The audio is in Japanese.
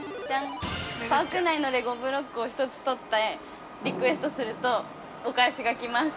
◆パーク内のレゴブロックを１つ取ってリクエストするとお返しが来ます。